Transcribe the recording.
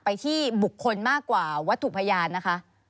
ที่บุคคลมากกว่าวัตถุพยานนะคะ